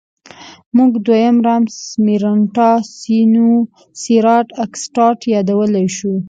موږ دویم رامسس مېرنټاه سینوسېراټ اګسټاس یادولی شو.